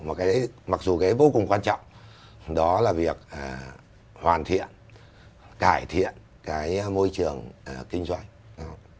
một cái mặc dù cái vô cùng quan trọng đó là việc hoàn thiện cải thiện cái môi trường kinh doanh